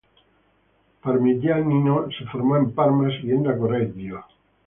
Parmigianino se formó en Parma, siguiendo a Correggio.